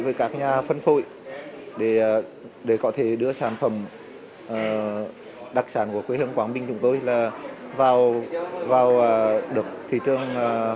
với các nhà phân phối để có thể đưa sản phẩm đặc sản của quê hương quảng bình chúng tôi là vào được thị trường